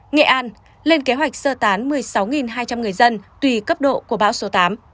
nghệ an lên kế hoạch sơ tán một mươi sáu hai trăm linh người dân tùy cấp độ của bão số tám